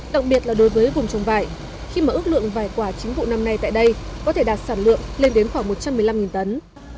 đặc biệt là đối với vùng trồng vải khi mà ước lượng vẻ quả chính vụ năm nay tại đây có thể đạt sản lượng lên đến khoảng một trăm một mươi năm tấn